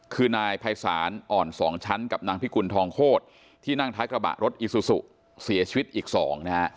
คือนายภัยศาลอ่อนสองชั้นกับนางพิกุลทองโคตรที่นั่งท้ายกระบะรถอีซูซูเสียชีวิตอีก๒นะฮะ